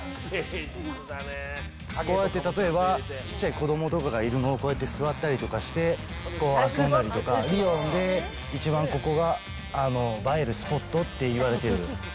こうやって例えばちっちゃい子どもとかがいるのをこうやって座ったりとかして、こう遊んだりとか、リヨンで一番ここが映えるスポットっていわれてる。